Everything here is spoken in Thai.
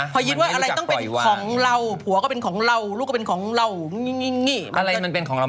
พอยึดว่าอะไรต้องเป็นของเราผัวก็เป็นของเราลูกก็เป็นของเรา